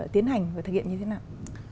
tiến hành và thực hiện như thế nào